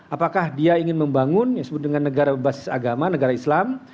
apakah dia ingin membangun yang disebut dengan negara berbasis agama negara islam